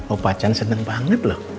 opacan seneng banget loh